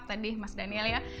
tadi mas daniel ya